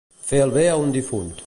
Fer el bé a un difunt.